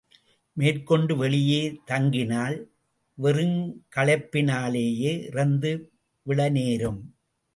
மேற்கொண்டு வெளியே தங்கினால் வெறுங்களைப்பினாலேயே இறந்து விழநேரும்.